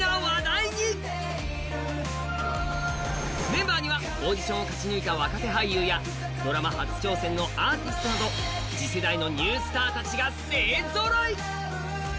メンバーにはオーディションを勝ち抜いた若手俳優やドラマ初挑戦のアーティストなど次世代のニュースターたちが勢ぞろい。